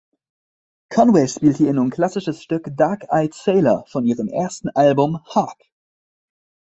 Conway spielte ihr nun klassisches Stück „Dark-Eyed Sailor“ von ihrem ersten Album „Hark!“.